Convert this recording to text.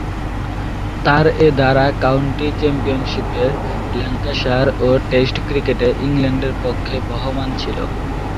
তার এ ধারা কাউন্টি চ্যাম্পিয়নশীপে ল্যাঙ্কাশায়ার ও টেস্ট ক্রিকেটে ইংল্যান্ডের পক্ষে বহমান ছিল।